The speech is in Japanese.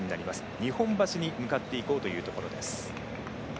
日本橋に向かっていこうというところです。